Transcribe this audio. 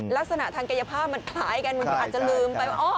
ลักษณะทางกายภาพมันคล้ายกันมันอาจจะลืมไปว่า